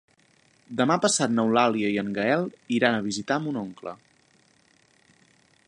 Demà passat n'Eulàlia i en Gaël iran a visitar mon oncle.